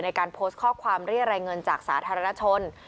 ในการโพสต์ข้อความเรียกรายเงินจากสาธารณชน